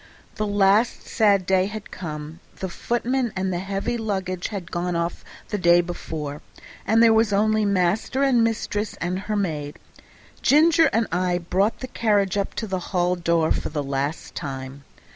The last sad day had come; the footman and the heavy luggage had gone off the day before, and there were only master and mistress and her maid. Ginger and I brought the carriage up to the hall door for the last time.